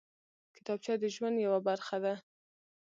کتابچه د ژوند یوه برخه ده